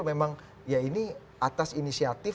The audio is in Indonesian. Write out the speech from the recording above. memang ya ini atas inisiatif